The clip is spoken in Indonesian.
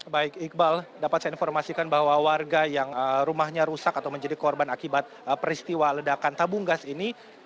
baik iqbal dapat saya informasikan bahwa warga yang rumahnya rusak atau menjadi korban akibat peristiwa ledakan tabung gas ini